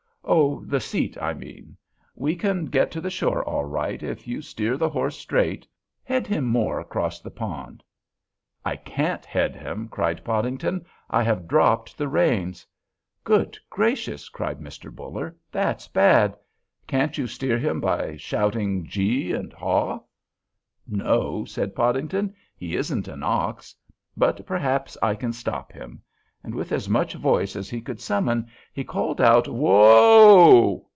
"Oh, the seat, I mean. We can get to the shore all right if you steer the horse straight. Head him more across the pond." "I can't head him," cried Podington. "I have dropped the reins!" "Good gracious!" cried Mr. Buller, "that's bad. Can't you steer him by shouting 'Gee' and 'Haw'?" "No," said Podington, "he isn't an ox; but perhaps I can stop him." And with as much voice as he could summon, he called out: "Whoa!"